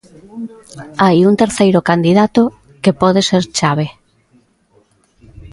Hai un terceiro candidato, que pode ser chave.